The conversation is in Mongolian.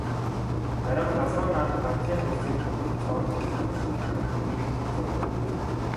Харин халуун нар газрын хөрсийг цоонотол шарах нь бэрх хэцүү юм.